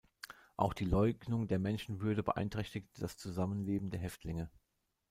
Auch die Leugnung der Menschenwürde beeinträchtigte das Zusammenleben der Häftlinge.